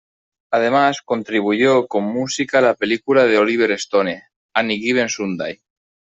Además, contribuyó con música a la película de Oliver Stone "Any Given Sunday".